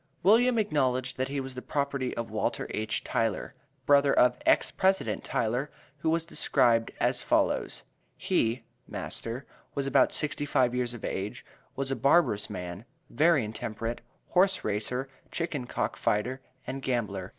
William acknowledged that he was the property of Walter H. Tyler, brother of EX PRESIDENT TYLER, who was described as follows: "He (master) was about sixty five years of age; was a barbarous man, very intemperate, horse racer, chicken cock fighter and gambler.